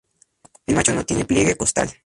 El macho no tiene pliegue costal.